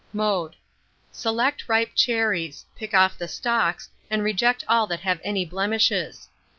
Mode. Select ripe cherries; pick off the stalks, and reject all that have any blemishes.